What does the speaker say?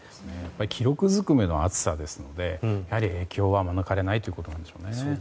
記録ずくめの暑さですので影響は免れないということなんでしょうね。